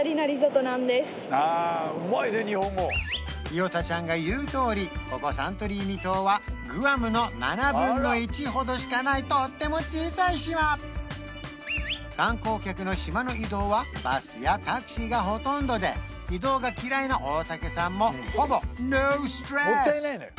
イヨタちゃんが言うとおりここサントリーニ島はほどしかないとっても小さい島観光客の島の移動はバスやタクシーがほとんどで移動が嫌いな大竹さんもほぼノーストレス！